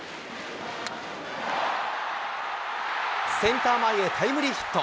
センター前へ、タイムリーヒット。